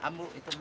aduh ini asma